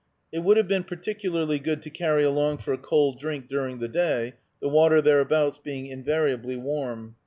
It would have been particularly good to carry along for a cold drink during the day, the water thereabouts being invariably warm.